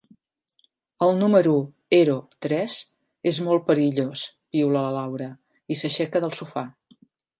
El número ero tres és molt perillós —piula la Laura, i s'aixeca del sofà.